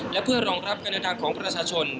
และเพื่อรองรับการเดินทางของประชาชน